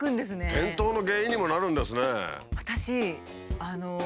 転倒の原因にもなるんですね。